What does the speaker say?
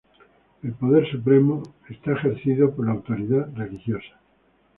El poder supremo es ejercido por la autoridad religiosa.